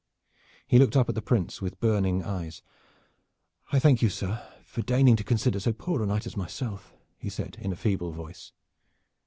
He looked up at the Prince with burning eyes. "I thank you, sir, for deigning to consider so poor a knight as myself," said he in a feeble voice.